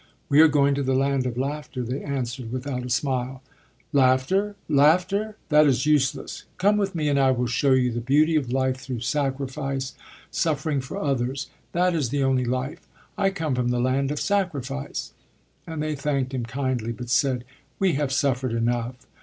"We are going to the Land of Laughter," they answered, without a smile. "Laughter! laughter! that is useless. Come with me and I will show you the beauty of life through sacrifice, suffering for others. That is the only life. I come from the Land of Sacrifice." And they thanked him kindly, but said: "We have suffered enough.